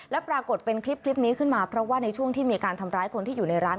และปรากฏเป็นคลิปนี้ขึ้นมาเพราะว่าในช่วงที่มีการทำร้ายคนที่อยู่ในร้าน